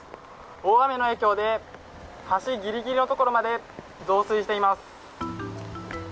大雨の影響で橋ギリギリのところまで増水しています。